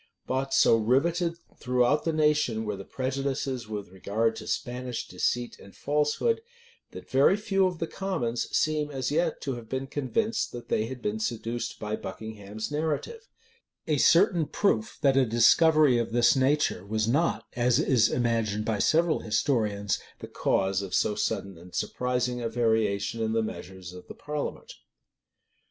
But so rivetted throughout the nation were the prejudices with regard to Spanish deceit and falsehood, that very few of the commons seem as yet to have been convinced that they had been seduced by Buckingham's narrative: a certain proof that a discovery of this nature was not, as is imagined by several historians, the cause of so sudden and surprising a variation in the measures of the parliament.